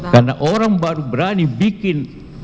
karena orang baru berani bikin